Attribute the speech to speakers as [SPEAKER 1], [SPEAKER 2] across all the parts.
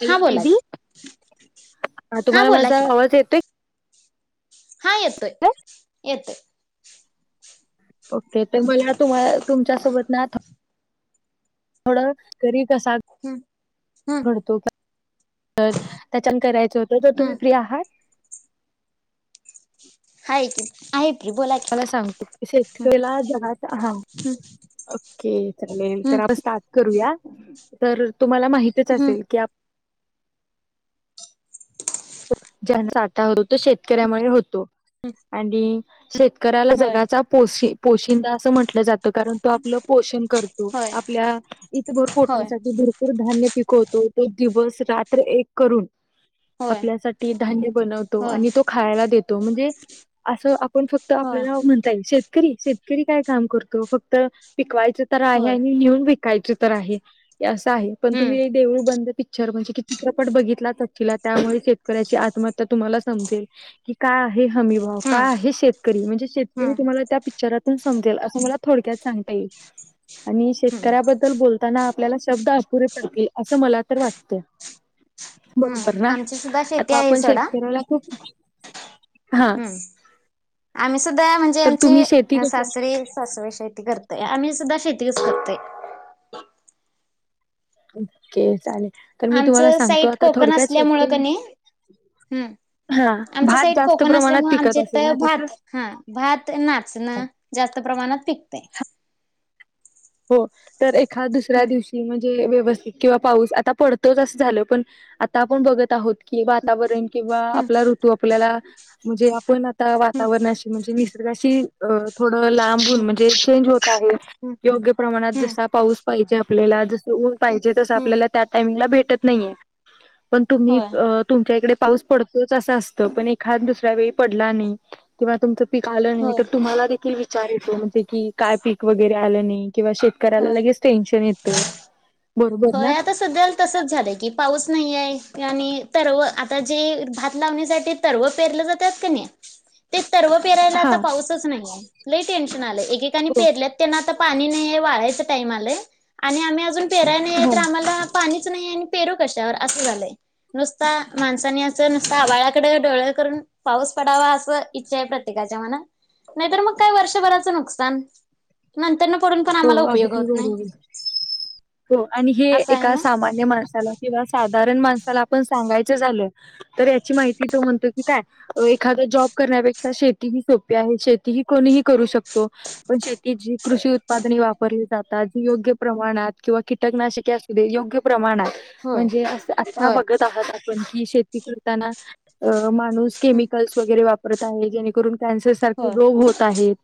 [SPEAKER 1] Hello
[SPEAKER 2] हा बोला
[SPEAKER 1] दिदी
[SPEAKER 2] की
[SPEAKER 1] ह
[SPEAKER 2] हा
[SPEAKER 1] तुम्हाला
[SPEAKER 2] बोला
[SPEAKER 1] माझा
[SPEAKER 2] की
[SPEAKER 1] आवडज येतोय.
[SPEAKER 2] हा येतोय
[SPEAKER 1] का?
[SPEAKER 2] येतोय.
[SPEAKER 1] ओके तर मला तुम्हा तुमच्यासोबत ना थोड गरीब कसा?
[SPEAKER 2] हम्म हम्म
[SPEAKER 1] घडतो त्याच्यान करायचं होतं तर
[SPEAKER 2] हम्म
[SPEAKER 1] तुम्ही फ्री आहात.
[SPEAKER 2] हय.
[SPEAKER 1] मला सांगतो शेतकरीला जगात हा. ओके चालेल तर
[SPEAKER 2] हम्म
[SPEAKER 1] आपण स्टार्ट करूया. तर तुम्हाला माहितच
[SPEAKER 2] हम्म
[SPEAKER 1] असेल की ज्यांताा हो तो शेतकऱ्यामुळे होतो
[SPEAKER 2] हम्म
[SPEAKER 1] आणि शेत. कराला
[SPEAKER 2] होय
[SPEAKER 1] जगाचा पो पोशिंदा असं म्हटलं जात. कारण तो आपलं पोषण करतो
[SPEAKER 2] होय
[SPEAKER 1] आपल्या इतभर
[SPEAKER 2] होय
[SPEAKER 1] पोटांसाठी भरपूर धान्य. शिकवतो तो दिवस रात्र एक करून
[SPEAKER 2] होय
[SPEAKER 1] आपल्यासाठी धान्य बनवतो
[SPEAKER 2] होय
[SPEAKER 1] आणि तो खायला देतो म्हणजे असं आपण फक्त
[SPEAKER 2] होय
[SPEAKER 1] आपल्याला म्हणता येईल शेतकरी शेत तरी काय काम करतो फक्त पिकवायच तर आहे
[SPEAKER 2] होय
[SPEAKER 1] आणि नेऊन विकायच तर आहे. असं आहे पण
[SPEAKER 2] हम्म
[SPEAKER 1] तुम्ही देऊळ बंद पिक्चर म्हणजे कि चित्रपट बघितलाचिला. त्यामुळे शेतकऱ्याची आत्महत्या तुम्हाला समजेल की काय? हमी भाव
[SPEAKER 2] हम्म
[SPEAKER 1] काय आहे शेतकरी म्हणजे शेतकरी
[SPEAKER 2] हम्म
[SPEAKER 1] तुम्हाला त्या समजेल अस मला थोडक्यात सांगता येईल आणि
[SPEAKER 2] हम्म
[SPEAKER 1] शेतकऱ्याबद्दल ब ताना आपल्याला शब्द असपुरे पडतील असं मला तर वाटते
[SPEAKER 2] हम्म
[SPEAKER 1] बरोबर ना.
[SPEAKER 2] आमची सुद्धा शेती
[SPEAKER 1] आता
[SPEAKER 2] आहे
[SPEAKER 1] आपण
[SPEAKER 2] सोडा
[SPEAKER 1] शेतकऱ्याला खूप हां,
[SPEAKER 2] हम्म आमही स म्हणजे
[SPEAKER 1] तर तुम्ही शेती
[SPEAKER 2] आम
[SPEAKER 1] कसं
[SPEAKER 2] सास सासरी शेती करतय आम्ही सुद्धा श तसकते.
[SPEAKER 1] क चाले.
[SPEAKER 2] आमचं साईट कोकण असल्यामुळ क नाही ह.
[SPEAKER 1] हां,
[SPEAKER 2] आमच्या
[SPEAKER 1] भात
[SPEAKER 2] साईड
[SPEAKER 1] जास्त
[SPEAKER 2] कोकण
[SPEAKER 1] प्रमाणात
[SPEAKER 2] असल्यामु
[SPEAKER 1] पिकत
[SPEAKER 2] आमच्या इथ
[SPEAKER 1] असेल ना तिथं?
[SPEAKER 2] भात हा भात नाचण जास्त प्रमाणात पिकते.
[SPEAKER 1] ह. हो तर एखा दुसऱ्या
[SPEAKER 2] हम्म
[SPEAKER 1] दिवशी म्हणजे व्यवस्थित किंवा पाऊस आता पडतोच असं झालं पण आता आपण बघत आहोत. कि वातावरण किंवा
[SPEAKER 2] हम्म
[SPEAKER 1] आपला ऋतू आपल्याला म्हणजे आपण वातावरणाशी म्हणजे निसर्गाशी अ थोडं लांबून
[SPEAKER 2] हम्म
[SPEAKER 1] म्हणजे चेंज होत आहे.
[SPEAKER 2] हम्म
[SPEAKER 1] योग्य प्रमाणात
[SPEAKER 2] हम्म
[SPEAKER 1] जसा पाऊस पाहिजे आपल्याला जसं ऊन पाहिजे तसं
[SPEAKER 2] हम्म
[SPEAKER 1] आपल्याला त्या टाइमला भेट वाटत नाहीये पण तुम्ही
[SPEAKER 2] होय
[SPEAKER 1] तुमच्या इकडे पाऊस पडतोच असं असत पण एखाद दुसरा्या वेळी पडला नाही किंवा तुमच पीक आलं नाही
[SPEAKER 2] होय
[SPEAKER 1] तर तुम्हाला देखील विचार येतो म्हणजे की काय पीक वगैरे आलं नाही. किंवा शेतकऱ्याला
[SPEAKER 2] होय
[SPEAKER 1] लगेच टेन्शन येतं. बरोबर
[SPEAKER 2] होय
[SPEAKER 1] ना?
[SPEAKER 2] आता सध्या तसंच झालंय की पाऊस नाहीये. आणि तरव आता जे भात लावणीसाठी तरव पेरले जातात का नाही ते, सर्व पेरायला
[SPEAKER 1] हा
[SPEAKER 2] आता पाऊसच नाही लई टेन्शन आलंय एकेकानी
[SPEAKER 1] हो
[SPEAKER 2] पेरल्यात त्यांना आता पाणी नाहीये वाळायचे टाईम आलये, आणि आम्ही अजून पेराय नाहीये
[SPEAKER 1] हा
[SPEAKER 2] तर आम्हाला पाणी नाही आणि पेरू कशावर असं झालंय. नुसता माणसानी असं नुसता आभाळाकडे डोळे करून पाऊस पडावा असं इच्छा आहे प्रत्येका नाही तर मग काय वर्षभराचं नुकसान त्यांना पडून पण
[SPEAKER 1] हो
[SPEAKER 2] आम्हाला उपयोग होत
[SPEAKER 1] अगदी
[SPEAKER 2] नाही.
[SPEAKER 1] बरोबर. हो आणि हे
[SPEAKER 2] असं आहे
[SPEAKER 1] एका
[SPEAKER 2] ना
[SPEAKER 1] सामान्य माणसाला किंवा साधारण माणसाला पण सांगायचे झालं तर याची माहिती तो म्हणतो की काय एखादा जॉब करण्याेक्षा शेती सोपी आहे, शेती कोणीही करू शकतो पण शेती जी कृषी उत्पादने वापरली जातात जी योग्य प्रमाणात किंवा कीटकनाशके असू दे योग्य प्रमाणात
[SPEAKER 2] होय
[SPEAKER 1] म्हणजे अस आता
[SPEAKER 2] होय
[SPEAKER 1] बघत आहात आपण की शेती करताना अ मान नुस
[SPEAKER 2] हम्म
[SPEAKER 1] केमिकल वगैरे वापरत आहेत जेणेकरून, कॅन्सर सारखे
[SPEAKER 2] होय
[SPEAKER 1] रोग होत आहेत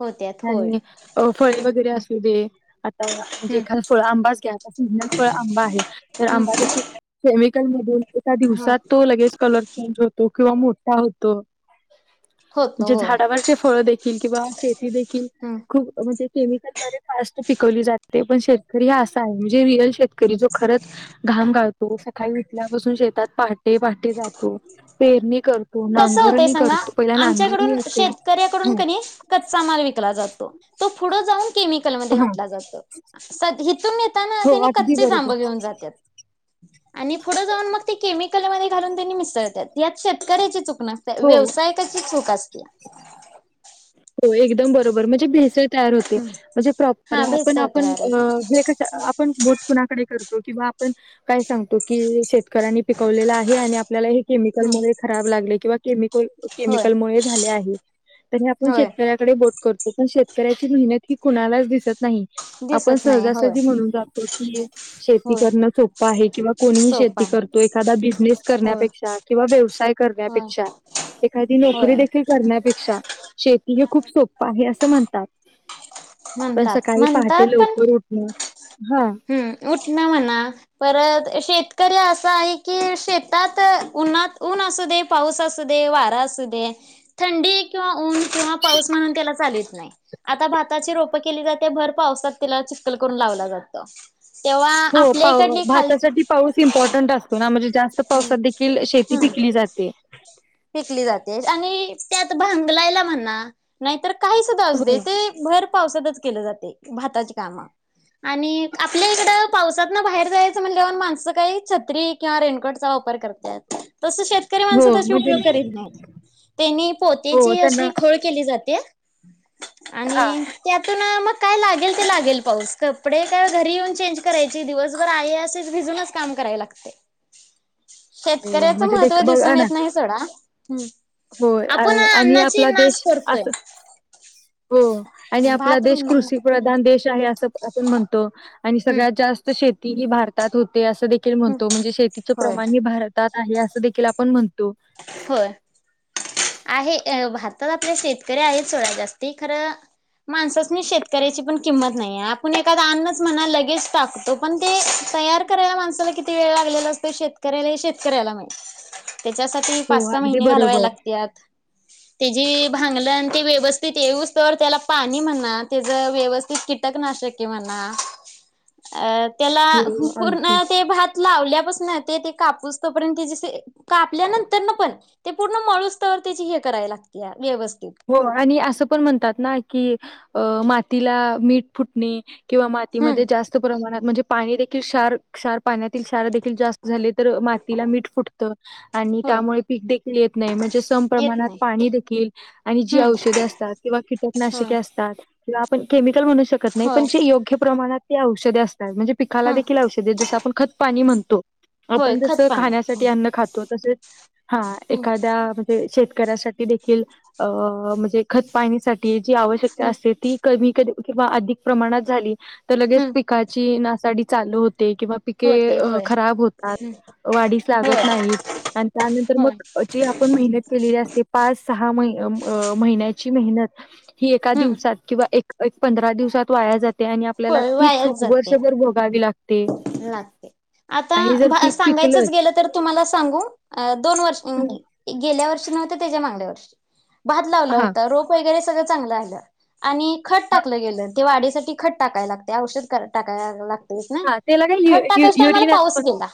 [SPEAKER 2] होत्यात होय
[SPEAKER 1] आणि अ फळे वगैरे
[SPEAKER 2] हम्म
[SPEAKER 1] असू दे, आता म्हणजे एखाद फळ आंबाच घ्या, आता सीझनल फळ आंबा आहे.
[SPEAKER 2] हम्म
[SPEAKER 1] आंबा जर तुम्ही केमिकल मधून एका
[SPEAKER 2] हो
[SPEAKER 1] दिवसात तो लगेच कलर चेंज होतो किंवा मोठा होतो.
[SPEAKER 2] होत
[SPEAKER 1] म्हणजे
[SPEAKER 2] होय
[SPEAKER 1] झाडावरचे फळ देखील किंवा शेती देखील
[SPEAKER 2] हम्म
[SPEAKER 1] खूप केमिकल द्वारे फास्ट पिकवली जाते पण शेतकरी हा असा आहे म्हणजे रियल शेत करी जो खरच घाम गाळ सकाळी उठल्यापासून शेतात पहाटे पहाटे जातो, पेरणी करतो.
[SPEAKER 2] कसं होतय
[SPEAKER 1] नांगरणी
[SPEAKER 2] सांगा.
[SPEAKER 1] करतो पहिला नांगरणी
[SPEAKER 2] आमच्याकडून
[SPEAKER 1] येते
[SPEAKER 2] शेतकऱ्याकडून
[SPEAKER 1] हा
[SPEAKER 2] कनी कच्चा माल विकला जातो. तो फुड जाऊन केमिकलमध्ये
[SPEAKER 1] हा
[SPEAKER 2] घातला जातो. इथून येताना
[SPEAKER 1] हो
[SPEAKER 2] त्यानी
[SPEAKER 1] अगदी
[SPEAKER 2] कच्चेंच आंबे
[SPEAKER 1] बरोबर
[SPEAKER 2] घेऊन जातात. आणि फुढं जाऊन मग ते केमिकलमध्ये घालून त्यांनी मिसळतात यात शेत कऱ्याची चूक नसते
[SPEAKER 1] हो
[SPEAKER 2] व्यवसायिकची चूक असते.
[SPEAKER 1] एकम बरोबर म्हणजे भेस ते तयार होते म्हणजे प्रॉपर
[SPEAKER 2] हा
[SPEAKER 1] आपण
[SPEAKER 2] भेसळते
[SPEAKER 1] आपण
[SPEAKER 2] अरे
[SPEAKER 1] म्हणजे कस आपण बोलतो ना, करतो किंवा आपण काय सांगतो की शेतकऱ्यांनी पिकवलेल आहे आणि आप ल्याला हे केमिकल
[SPEAKER 2] हम्म
[SPEAKER 1] मुळे खराब लागले किंवा केमिकल
[SPEAKER 2] होय
[SPEAKER 1] केमिकलमुळे झाले आहे तर आ पण
[SPEAKER 2] होय
[SPEAKER 1] शेतकऱ्याकडे बोट करतो पण शेतकऱ्याची मेहनत ही कुणालाच दिसत नाही आपण
[SPEAKER 2] दिसत नाही होय
[SPEAKER 1] सहजासहजी म्हणून जातो. की शेती
[SPEAKER 2] होय
[SPEAKER 1] करण सोपं आहे किंवा कोणीही
[SPEAKER 2] सोपा
[SPEAKER 1] शेती
[SPEAKER 2] आहे
[SPEAKER 1] करतो एखादा बिझनेस
[SPEAKER 2] होय
[SPEAKER 1] करण्यापेक्षा किंवा व्यव साय
[SPEAKER 2] होय
[SPEAKER 1] करण्यापेक्षा, एखादी नोकरी
[SPEAKER 2] होय
[SPEAKER 1] देखील करण्यापेक्षा शेती हे खूप सोप्पं आहे असं म्हणतात. पण
[SPEAKER 2] म्हणतात
[SPEAKER 1] सकाळी
[SPEAKER 2] म्हणतात
[SPEAKER 1] पहाटे
[SPEAKER 2] पण
[SPEAKER 1] लवकर उठुण
[SPEAKER 2] हम्म उठ ना म्हणा परत शेतकरी असं आहे की शेतात उन्हात, ऊन असू दे, पाऊस असू दे वारा असू दे थंडी किंवा ऊन किंवा पाऊस म्हणून त्याला चालत नाही. आता भात ताची रोप केली जाते भर पावसात त्याला चिख्खल करून लावलं जातं.
[SPEAKER 1] हो पाउ भारतासाठी पाऊस इम्पॉर्टंट असतो ना म्हणजे जास्त पावसात देखील शेती
[SPEAKER 2] हम्म
[SPEAKER 1] पिकली जात. ते
[SPEAKER 2] पिकली जाते आणि त्यात भांगलायला म्हणा नाहीतर काही सुद्धा असू
[SPEAKER 1] हो
[SPEAKER 2] दे ते भर पावसातच केलं जातंय भाताची कामं आणि आपल्या इकडं पावसातनं बाहेर जायचं म्हणण्यावरंनं माणसं काही छत्री किंवा रेनकोटचा वापर पर करत्यात, तसं शेतकरी माणसं
[SPEAKER 1] हो
[SPEAKER 2] तशी
[SPEAKER 1] म्हणजे
[SPEAKER 2] उपयोग करीत नाहीत तेनी
[SPEAKER 1] हो
[SPEAKER 2] पोत्याची
[SPEAKER 1] त्यांना
[SPEAKER 2] अशी खोळ केली जात्या
[SPEAKER 1] हा.
[SPEAKER 2] आणि त्यातून मग काय लागेल
[SPEAKER 1] [unintelligible]
[SPEAKER 2] ते लागेल पाऊस कपडे काय घरी येऊन चेंज करायची दिवसभर आहे अशीच भिजूनच काम कराय लागतय
[SPEAKER 1] तेव्हा म्हणजे ते एक बघ
[SPEAKER 2] दिसून
[SPEAKER 1] ना
[SPEAKER 2] येत नाही सोडा. हम्म
[SPEAKER 1] होय
[SPEAKER 2] आपण
[SPEAKER 1] आणि
[SPEAKER 2] अन्नाची
[SPEAKER 1] आपला
[SPEAKER 2] नास
[SPEAKER 1] देश
[SPEAKER 2] करतोय
[SPEAKER 1] अस हो आणि आपला
[SPEAKER 2] भात
[SPEAKER 1] देश
[SPEAKER 2] म्हणा
[SPEAKER 1] कृषीप्रधान
[SPEAKER 2] हम्म
[SPEAKER 1] देश आहे असं आपण म्हणतो आणि सगळ्यात जास्त शेती ही भारतात होते असं देखील
[SPEAKER 2] हम्म
[SPEAKER 1] म्हणतो म्हणजे शेतीचं
[SPEAKER 2] होय.
[SPEAKER 1] प्रमाण हे भारत तात आहे अस देखील आपण म्हणतो
[SPEAKER 2] होय आहे भारतात आपले शेतकरी आहेत सोडा जास्ती खरं माणसासनी शेतकऱ्याची पण किंमत नाही आहे आपण एखादा अन्नच म्हणा लगेच टाकतो पण ते तयार करायला माणसाला किती वेळ लागलेला असतोय शेतकऱ्याला हे शेतकऱ्याला माहिती त्याच्यासाठी
[SPEAKER 1] हो
[SPEAKER 2] पाच सहा
[SPEAKER 1] अगदी
[SPEAKER 2] महिने घालवाय
[SPEAKER 1] बरोबर
[SPEAKER 2] लागतय तेजी भांगलन ते व्यवस्थित येवूस्त्वर त्याला पाणी म्हणा, तेज व्यवस्थित कीटकनाशक के म्हणा अ त्याला
[SPEAKER 1] हो
[SPEAKER 2] पूर्ण
[SPEAKER 1] अगदी
[SPEAKER 2] ते भात लावल्यापासन ते ते कापुसतोपर्यंत ते अस कापल्यानंतरपण ते पूर्ण माणूस तर त्याची हे कराय लागत्या व्यवस्थ
[SPEAKER 1] हो आणि असं पण म्हणतात ना की मातीला मीठ फुटणे किंवा
[SPEAKER 2] हम्म
[SPEAKER 1] मातीमध्ये जास्त प्रमाणात म्हणजे पाणी देखील क्षार क्षार पाण्यात ते क्षार देखील जास्त झाले तर मातीला मीठ फुटत आणि
[SPEAKER 2] होय
[SPEAKER 1] त्यामुळे पीक देखील येत नाही म्हणजे उत्तम
[SPEAKER 2] येत
[SPEAKER 1] प्रमाणात
[SPEAKER 2] नाही
[SPEAKER 1] पाणी देखील आणि जी
[SPEAKER 2] हम्म
[SPEAKER 1] औषधे असतात किंवा
[SPEAKER 2] होय
[SPEAKER 1] किटकनाशके असतात, त्याला आपण केमिकल म्हणू शकत नाही
[SPEAKER 2] होय
[SPEAKER 1] पण जे योग्य प्रमाणात जी औषधे असतात म्हणजे पिकाला
[SPEAKER 2] हम्म
[SPEAKER 1] देखील औषध जस आपण खतपाणी म्हणतो
[SPEAKER 2] होय
[SPEAKER 1] आपण जस
[SPEAKER 2] खत पाणी
[SPEAKER 1] खाण्यासाठी अन्न खातो तसे हा
[SPEAKER 2] हम्म
[SPEAKER 1] एखाद्या म्हणजे शेत कऱ्यासाठी देखील अ म्हणजे खत पाणीसाठी जी आवश्यकता
[SPEAKER 2] हम्म
[SPEAKER 1] असते ती कमी क किंवा अधिक प्रमाणात झाली तर लगेच
[SPEAKER 2] हम्म
[SPEAKER 1] पिकाची नासाडी चालू हो ते किंवा पिके
[SPEAKER 2] होते होय
[SPEAKER 1] खराब होतात.
[SPEAKER 2] हम्म
[SPEAKER 1] वाढीस लागत
[SPEAKER 2] होय
[SPEAKER 1] नाहीत आणि त्यानंतर
[SPEAKER 2] होय
[SPEAKER 1] मग जे आपण मेहनत केलेली असते पाच सहा महि महिन्याची मेहनत ही एका
[SPEAKER 2] हम्म
[SPEAKER 1] दिवसात किंवा एक एक पंधरा दिवसात वाया जा ते आणि आपल्याला
[SPEAKER 2] होय
[SPEAKER 1] ती
[SPEAKER 2] वायाच
[SPEAKER 1] चूक
[SPEAKER 2] जाते
[SPEAKER 1] वर्षभर भोगावी लागते.
[SPEAKER 2] लागते
[SPEAKER 1] आणि जर
[SPEAKER 2] आता
[SPEAKER 1] पीक
[SPEAKER 2] सांगायचच
[SPEAKER 1] पिकलच
[SPEAKER 2] गेलं तर तुम्हाला सांगू दोन वर्ष गेल्या वर्षी न्हव ते तेज्या मागल्यावर्षी भात लावलं
[SPEAKER 1] हा
[SPEAKER 2] होत रोप वगैरे सगळं चांगलं आलं आणि खत टाकलं गेलं ते वाढीसाठी खत टाकाय लागतय, औषध टाकाय लागतय
[SPEAKER 1] हा त्याला काय यु
[SPEAKER 2] खत
[SPEAKER 1] यु
[SPEAKER 2] टाकायच्या टायमाला
[SPEAKER 1] युरिन असत
[SPEAKER 2] पाऊस गेला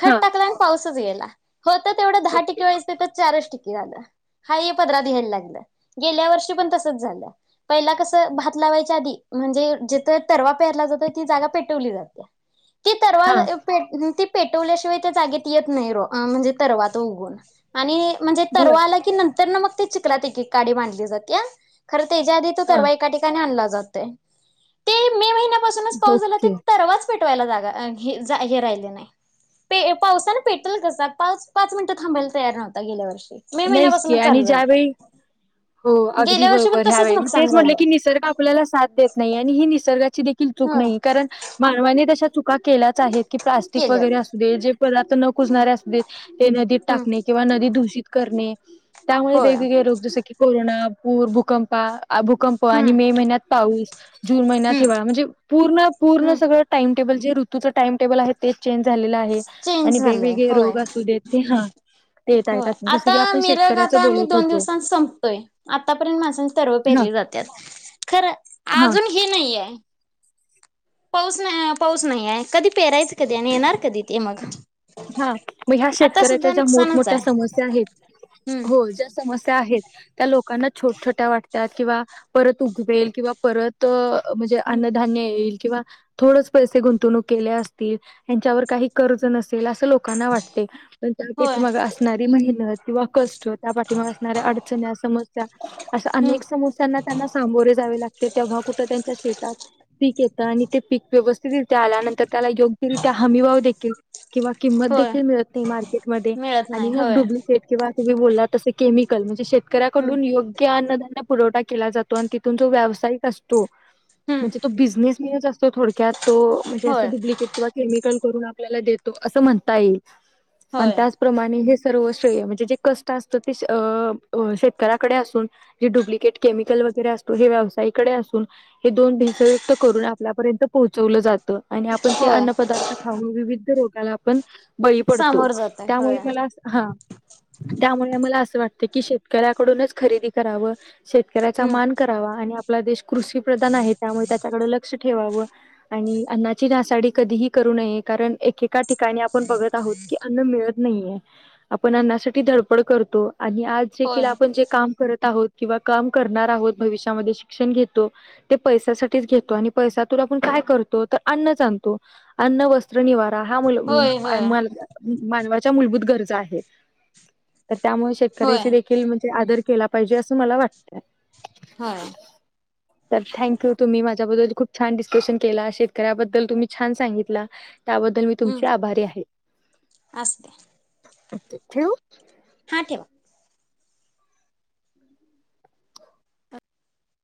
[SPEAKER 2] खत
[SPEAKER 1] हा
[SPEAKER 2] टाकलं आणि पाऊसच गेला होत तेवढं दहा ठीके
[SPEAKER 1] ओके
[SPEAKER 2] व्हायचं तिथ चारच ठीके की आलं हाय हे पदरात घ्यायला लागलं. गेल्यावर्षी पण तसंच झालं पहिला कसं भात ला वायच्या आदी म्हणजे जिथं तरवा पेरला जातोय ती जागा पेट वली जात्या ती तरवा
[SPEAKER 1] हा
[SPEAKER 2] अ पेट पेटवल्याशिवाय त्या जागेत येत नाही र म्हणजे तरवा तो उगून आणि म्हणजे
[SPEAKER 1] बर
[SPEAKER 2] तरवा आला की नंतरन मग ते चिकलात एक एक काडी मांधली जात्या खरं तेच्या आधी तो
[SPEAKER 1] हा
[SPEAKER 2] तरवा एका ठिकाणी आणला जातोय ते मे महिन्यापासूनच पाऊस झाला ते
[SPEAKER 1] ओके
[SPEAKER 2] पाच पेटवायला जागा हे जा हे राहिले नाही पे पावसान पेटेल कसा पास पाच मिनिटं थांबायला तयार नव्हता गेल्या वर्षी मे
[SPEAKER 1] नाहीच की
[SPEAKER 2] महिन्यापासूनच
[SPEAKER 1] आणि
[SPEAKER 2] चालू झालता.
[SPEAKER 1] ज्यावेळी... हो अगदी
[SPEAKER 2] गेल्या वर्षी पण
[SPEAKER 1] बरोबर ह्या
[SPEAKER 2] तसच
[SPEAKER 1] वेळी म
[SPEAKER 2] नुकसान
[SPEAKER 1] तेच म्हटलं
[SPEAKER 2] झालं
[SPEAKER 1] की निसर्ग आपल्याला साथ देत नाही आणि ही निसर्गाची.... त्याची देखील चूक
[SPEAKER 2] होय
[SPEAKER 1] नाही कारण मानवाने जश्या चूका... चूका केल्याचं आहेत की प्लास्टिक वगैरे
[SPEAKER 2] केल्यात
[SPEAKER 1] असू दे जे पण असं न
[SPEAKER 2] हम्म
[SPEAKER 1] कुजणारे असू देत ते नदीत
[SPEAKER 2] हम्म
[SPEAKER 1] टाकणे किंवा... नदी दूषित करणे त्यामुळे
[SPEAKER 2] होय
[SPEAKER 1] वेगवेगळे रोग जस की कोरोना पूर भूकंपा.... भूकंप
[SPEAKER 2] हम्म
[SPEAKER 1] आणि मे महिन्यात पाऊस जून महिन्यात
[SPEAKER 2] हम्म
[SPEAKER 1] हिवाळा म्हणजे पूर्ण पूर्ण
[SPEAKER 2] हम्म
[SPEAKER 1] सगळं टाईम... टेबल जे ऋतूच टाइम टेबल आहे तेच चेंज झालेलं आहे आणि
[SPEAKER 2] चेंज झालंय
[SPEAKER 1] वेगवेगळे
[SPEAKER 2] होय
[SPEAKER 1] रोग असू देत ते हा... देत
[SPEAKER 2] होय
[SPEAKER 1] आहेत जसं
[SPEAKER 2] आता
[SPEAKER 1] की आपण
[SPEAKER 2] मिरग
[SPEAKER 1] शेतकऱ्याच
[SPEAKER 2] आता आणि
[SPEAKER 1] बोलत
[SPEAKER 2] दोन
[SPEAKER 1] होतो
[SPEAKER 2] दिवसांन संपतोय... आतापर्यंत माणसांच तरव
[SPEAKER 1] हा
[SPEAKER 2] पेरली जात्यात खर
[SPEAKER 1] हा
[SPEAKER 2] अजून हे नाही आहे... पाऊस नाही हाय पाऊस नाही हाय कधी पेरायच कधी आणि येणार कधी ते मग...
[SPEAKER 1] हा मग ह्या
[SPEAKER 2] आता
[SPEAKER 1] शेतकऱ्याच्या
[SPEAKER 2] सुद्धा
[SPEAKER 1] ज्या...
[SPEAKER 2] नुकसानच
[SPEAKER 1] मोठमोठ्या
[SPEAKER 2] आहे
[SPEAKER 1] समस्या आहेत
[SPEAKER 2] हम्म
[SPEAKER 1] हो ज्या समस्या आहेत... त्या लोकांना छोट छोट्या वाटत्यात किंवा परत उगवेल किंवा परत अ... म्हणजे
[SPEAKER 2] हम्म
[SPEAKER 1] अन्नधान्य येईल किंवा... थोडचं पैसे गुंतवणूक केले असतील त्यांच्यावर काही कर्ज नसेल अश्या लोक.... लोकांना वाटतंय त्या
[SPEAKER 2] होय
[SPEAKER 1] पाठी माग असणारी मेहनत किंवा कश्ट... त्या पाठीमाग असणाऱ्या अडचण्या समस्या असं
[SPEAKER 2] हम्म
[SPEAKER 1] अनेक समस्यांना त्यांना सामोरे जावे लागते... तेव्हा कुठ त्यांच्या शेतात... पीक येतं आणि ते पीक व्यवस्थित रित्या आल्यानंतर त्याला योग्यरित्या हमीभाव देखील... किंवा किंमत
[SPEAKER 2] होय
[SPEAKER 1] देखील मिळत नाही मार्केटमध्ये
[SPEAKER 2] मिळत
[SPEAKER 1] आणि
[SPEAKER 2] नाही
[SPEAKER 1] मग
[SPEAKER 2] होय
[SPEAKER 1] डुबलीकेट किंवा... तुम्ही बोलला तस केमिकल म्हणजे
[SPEAKER 2] हम्म
[SPEAKER 1] शेतकऱ्यांकडून योग्य अन्नधान्य... पुरवठा केला जातो आणि तिथून जो व्यावसायिक असतो.
[SPEAKER 2] हम्म
[SPEAKER 1] म्हणजे तो बिझनेस मिल च असतो थोडक्यात... तो म्हणजे
[SPEAKER 2] होय
[SPEAKER 1] असं डुपब्लिकेट किंवा केमिकल करून आपल्याला देतो असं म्हणता येईल. आणि
[SPEAKER 2] होय
[SPEAKER 1] त्याचप्रमाणे हे... सर्व श्रेय म्हणजे जे कष्ट असत ते अ शेतकऱ्याकडे असून डुपब्लिकेट केमिकल... वगैरे असतो हे व्यवसायिकडे असून हे दोन भेसळयुक्त करून आपल्यापर्यंत पोहोचवल जात... आणि आपण ते
[SPEAKER 2] होय
[SPEAKER 1] अन्न पदार्थ खाऊन विविध रोगाला आपण... बळी पडतो
[SPEAKER 2] सामोर जातय होय
[SPEAKER 1] त्यामुळे मला अस हा... त्यामुळे मला असं वाटतं की शेतकऱ्याकडूनच खरेदी करावं... शेतकऱ्याचा
[SPEAKER 2] हम्म
[SPEAKER 1] मान करावा आणि आप... आपला देश कृषी प्रधान आहे त्यामुळे त्याच्याकड लक्ष ठेवाव आणि अन्नाची नासाडी कधीही करू... करू नये कारण एकेक... एका ठिकाणी आपण बघत आहोत की अन्न मिळत नाहीये आपण अन्नासाठी धडपड करतो... आणि आज जे
[SPEAKER 2] होय
[SPEAKER 1] केलं आपण जे काम करत... करत आहोत किंवा काम करणार आहोत भविष्यामध्ये शिक्षण घेतो ते पैश्यासाठीच घेतो आणि पैसा तो... आपण काय करतो तर अन्नच आणतो अन्न वस्त्र निवारा... ह्या
[SPEAKER 2] होय होय
[SPEAKER 1] मुलं मानवाच्या मूलभूत गरजा आहे... तर त्यामुळे
[SPEAKER 2] होय
[SPEAKER 1] शेतकऱ्याची देखील म्हणजे आदर केला पाहिजे असं मला वाटतंय...
[SPEAKER 2] होय...
[SPEAKER 1] तर थँक्यू तुम्ही माझ्याबरोबर खूप छान डिस्कशन केला शेतकऱ्याबद्दल तुम्ही छान सांगितला... त्याबद्दल मी तुमची आभारी आहे.
[SPEAKER 2] असू द्या...
[SPEAKER 1] आता ठेवू...
[SPEAKER 2] हा ठेवा..